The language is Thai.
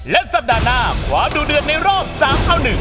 และสัปดาห์หน้าขวาดูเดือดในรอบ๓เอา๑